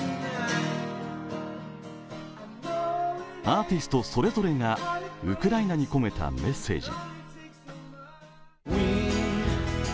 アーティストそれぞれがウクライナに込めたメッセージ。